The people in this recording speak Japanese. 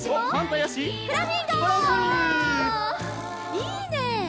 いいね！